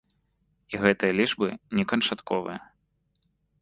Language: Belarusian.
І гэтыя лічбы не канчатковыя.